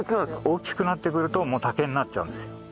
大きくなってくるともう竹になっちゃうんですよ。